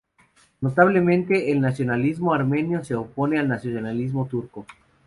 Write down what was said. Notablemente, el nacionalismo armenio se opone al nacionalismo turco.